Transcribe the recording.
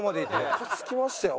ムカつきましたよ